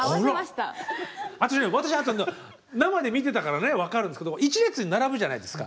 私生で見てたからね分かるんですけど一列に並ぶじゃないですか。